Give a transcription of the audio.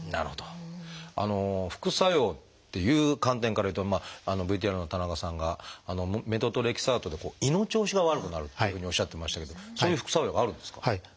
副作用っていう観点からいうとＶＴＲの田中さんがメトトレキサートで胃の調子が悪くなるっていうふうにおっしゃってましたけどそういう副作用があるんですか？